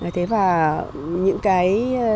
thế và những cái